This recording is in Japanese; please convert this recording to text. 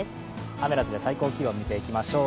アメダスで最高気温見ていきましょう。